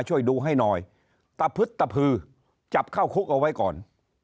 ช่วยดูให้หน่อยตะพึดตะพือจับเข้าคุกเอาไว้ก่อน